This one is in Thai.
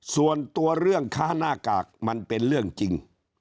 ส่วนตัวเรื่องค้าหน้ากากมันเป็นเรื่องจริง